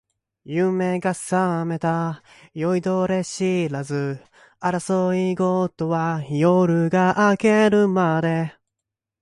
人の家に忍び込んでいるような気がしたから